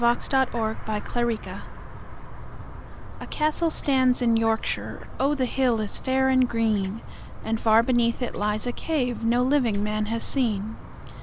The Sword of Arthur A CASTLE stands in Yorkshire(Oh, the hill is fair and green!)And far beneath it lies a caveNo living man has seen.